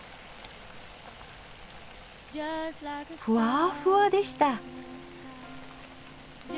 ふわふわでした。